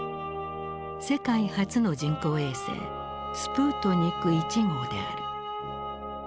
世界初の人工衛星スプートニク１号である。